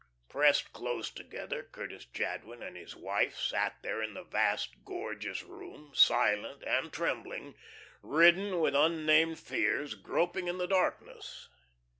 Pressed close together, Curtis Jadwin and his wife sat there in the vast, gorgeous room, silent and trembling, ridden with unnamed fears, groping in the darkness.